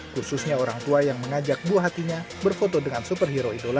khususnya orang tua yang mengajak buah hatinya berfoto dengan superhero idola